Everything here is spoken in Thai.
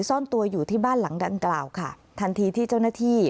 ซ่อนตัวอยู่ที่บ้านหลังดังกล่าวค่ะทันทีที่เจ้าหน้าที่